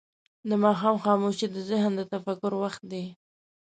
د ماښام خاموشي د ذهن د تفکر وخت دی.